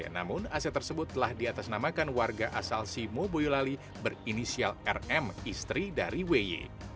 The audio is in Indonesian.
namun aset tersebut telah diatasnamakan warga asal simo boyolali berinisial rm istri dari wy